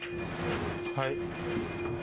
はい。